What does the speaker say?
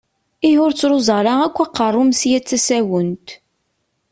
Ihi ur ttṛuẓu ara akk aqeṛṛu-m sya d tasawent!